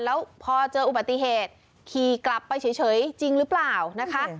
แล้วพอเจออุบัติเหตุขี่กลับไปเฉยจริงหรือเปล่านะคะ